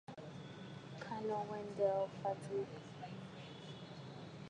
Colonel Wendell Fertig.